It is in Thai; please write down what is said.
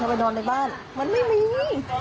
เข้าไปนอนไปบ้านมันไม่มี